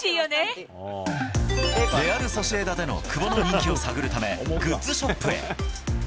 レアル・ソシエダでの久保の人気を探るため、グッズショップへ。